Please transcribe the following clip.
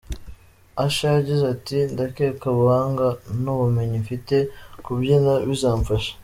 Usher yagize ati, Ndakeka ubuhanga nubumenyi mfite mu kubyna bizamfasha.